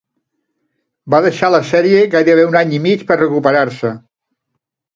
Va deixar la sèrie gairebé un any i mig per recuperar-se.